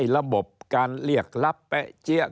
ระบบการเรียกรับแป๊ะเจี๊ยะ